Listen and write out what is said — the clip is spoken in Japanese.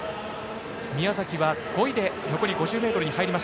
宮崎は５位で残り５０ｍ。